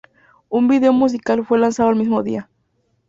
Un video musical fue lanzado el mismo día.